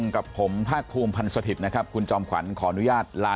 กับผมภาคภูมิพันธ์สถิตย์นะครับคุณจอมขวัญขออนุญาตลา